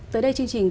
tới đây chương trình